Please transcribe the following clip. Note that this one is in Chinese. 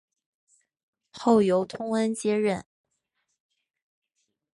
后由通恩接任。